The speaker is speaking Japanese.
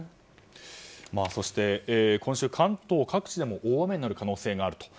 そして今週、関東各地でも大雨になる可能性があると。